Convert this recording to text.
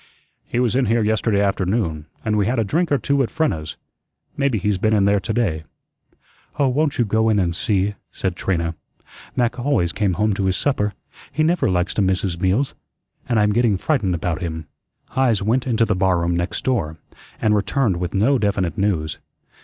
"He was in here yesterday afternoon, and we had a drink or two at Frenna's. Maybe he's been in there to day." "Oh, won't you go in and see?" said Trina. "Mac always came home to his supper he never likes to miss his meals and I'm getting frightened about him." Heise went into the barroom next door, and returned with no definite news.